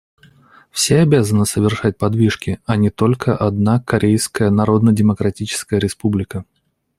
Все обязаны совершать подвижки, а не только одна Корейская Народно-Демократическая Республика.